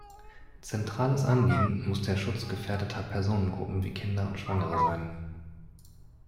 Zentrales Anliegen muss der Schutz gefährdeter Personengruppen wie Kinder und Schwangerer sein.